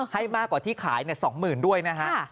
ให้มากกว่าที่ขาย๒๐๐๐๐บาทด้วยนะครับ